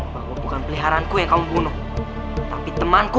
bahwa bukan peliharaanku yang kamu bunuh tapi temanku